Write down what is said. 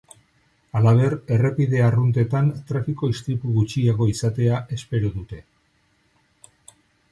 Halaber, errepide arruntetan trafiko-istripu gutxiago izatea espero dute.